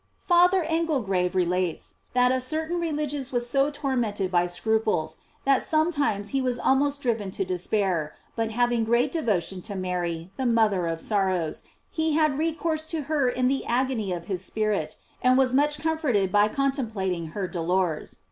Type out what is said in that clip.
Father Engelgrave relates,* that a certain re ligious was so tormented by scruples, that some times he was almost driven to despair, but hav ing great devotion to Mary, the mother of sor sows, he had recourse to her in the agony of his spirit, and was much comforted by contemplat ing her dolors.